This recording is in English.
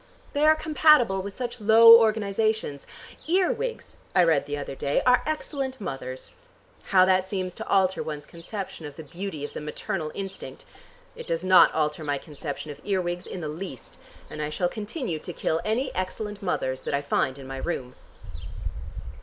They are compatible with such low organizations. Earwigs, I read the other day, are excellent mothers. How that seems to alter one's conception of the beauty of the maternal instinct! It does not alter my conception of earwigs in the least, and I shall continue to kill any excellent mothers that I find in my room."